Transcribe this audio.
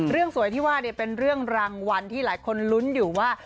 สวยที่ว่าเป็นเรื่องรางวัลที่หลายคนลุ้นอยู่ว่า